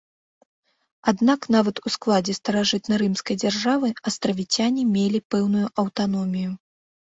Аднак нават у складзе старажытнарымскай дзяржавы астравіцяне мелі пэўную аўтаномію.